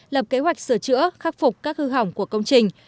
lập kế hoạch sửa chữa khắc phục các hư hỏng của công trình